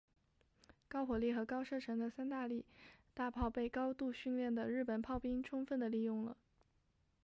高火力和高射程的三笠大炮被高度训练的日本炮兵充分地利用了。